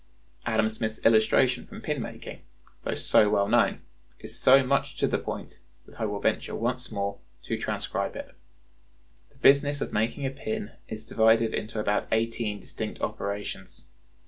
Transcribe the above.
Adam Smith's illustration from pin making, though so well known, is so much to the point that I will venture once more to transcribe it: "The business of making a pin is divided into about eighteen distinct operations.